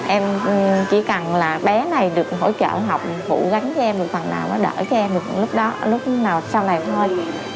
em chỉ cần là bé này được hỗ trợ học phụ gắn cho em một phần nào mới đỡ cho em được lúc nào sau này thôi